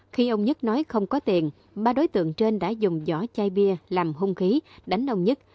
khi ông nhất nói không có tiền ba đối tượng trên đã dùng vỏ chai bia làm hung khí đánh đồng nhất